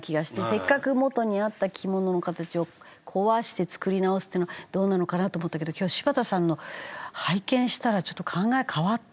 せっかく元にあった着物の形を壊して作り直すっていうのどうなのかなと思ったけど今日は柴田さんのを拝見したらちょっと考え変わった。